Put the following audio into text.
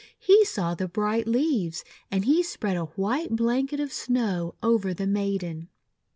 He saw the bright leaves; and he spread a white blanket of Snow over the maiden.